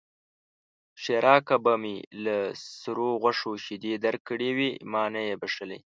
ښېرا: که به مې له سرو غوښو شيدې درکړې وي؛ ما نه يې بښلی.